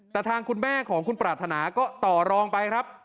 แต่ทางคุณแม่ของคุณปรารถนาก็ต่อรองไปครับ